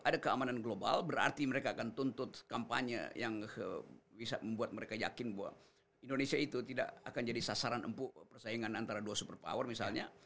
ada keamanan global berarti mereka akan tuntut kampanye yang bisa membuat mereka yakin bahwa indonesia itu tidak akan jadi sasaran empuk persaingan antara dua super power misalnya